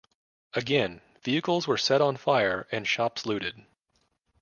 Again, vehicles were set on fire and shops looted.